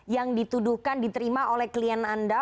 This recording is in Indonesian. yang dituduhkan diterima oleh klien anda